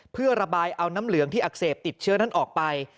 เพื่อระบายเอาน้ำเหลืองที่อักเสบติดเชื้อนั้นออกไป